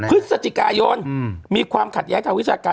พฤศจิกายนมีความขัดแย้งทางวิชาการ